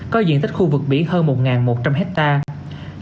có diện tích khu vực biển hơn một một trăm linh hectare